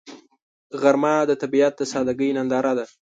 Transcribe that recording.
غرمه د طبیعت د سادګۍ ننداره ده